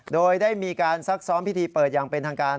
โดยได้มีการซักซ้อมพิธีเปิดอย่างเป็นทางการ